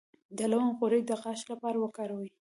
د لونګ غوړي د غاښ لپاره وکاروئ